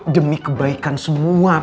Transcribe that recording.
demi kebaikan semua pak